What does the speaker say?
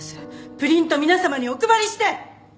プリント皆さまにお配りして！